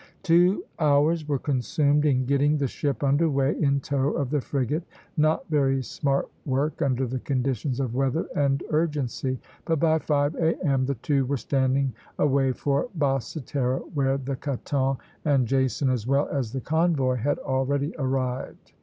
Two hours were consumed in getting the ship under way in tow of the frigate, not very smart work under the conditions of weather and urgency; but by five A.M. the two were standing away for Basse Terre, where the "Caton" and "Jason," as well as the convoy, had already arrived.